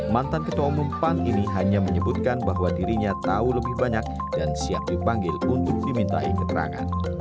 mantan ketua umum pan ini hanya menyebutkan bahwa dirinya tahu lebih banyak dan siap dipanggil untuk dimintai keterangan